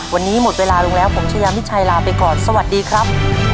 วันนี้หมดเวลาลงแล้วผมชายามิชัยลาไปก่อนสวัสดีครับ